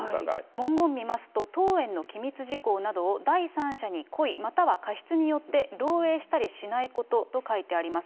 文言見ますと、当園の機密事項などを第三者に故意または過失によって漏えいしたりしないことと書いてあります。